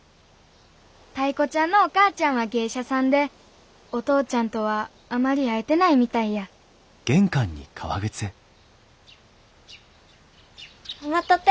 タイ子ちゃんのお母ちゃんは芸者さんでお父ちゃんとはあまり会えてないみたいや待っとって。